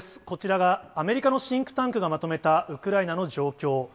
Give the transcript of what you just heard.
こちらが、アメリカのシンクタンクがまとめたウクライナの状況。